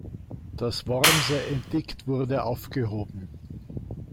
Das Wormser Edikt wurde aufgehoben.